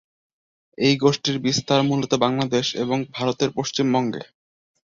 এই গোষ্ঠীর বিস্তার মূলত বাংলাদেশ এবং ভারতের পশ্চিমবঙ্গে।